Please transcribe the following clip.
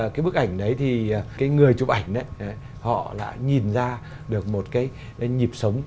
cái bức ảnh đấy thì cái người chụp ảnh họ lại nhìn ra được một cái nhịp sống